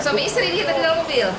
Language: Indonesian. suami istri yang tinggal di mobil